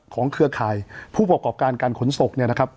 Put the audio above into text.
เครือข่ายผู้ประกอบการการขนส่งเนี่ยนะครับ